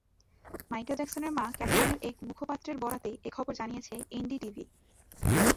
Michael জ্যাকসনের মা ক্যাথরিনের এক মুখপাত্রের বরাতে এ খবর জানিয়েছে এনডিটিভি।